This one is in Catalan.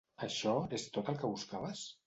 Això és tot el que buscaves?